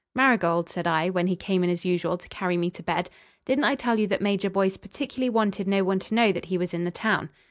"Marigold," said I, when he came in as usual to carry me to bed, "didn't I tell you that Major Boyce particularly wanted no one to know that he was in the town?"